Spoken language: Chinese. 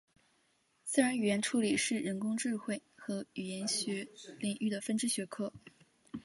自然语言处理是人工智慧和语言学领域的分支学科。